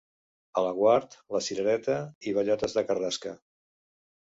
A Laguart, la cirereta i bellotes de carrasca.